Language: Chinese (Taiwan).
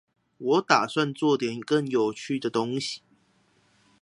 我打算做點更有趣的東西